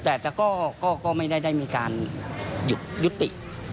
แต่ก็ไม่ได้มีการยุติ